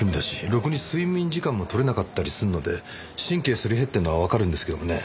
ろくに睡眠時間も取れなかったりするので神経すり減ってるのはわかるんですけどもね。